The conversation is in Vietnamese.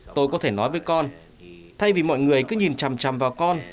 tôi có thể nói với con thay vì mọi người cứ nhìn chầm chầm vào con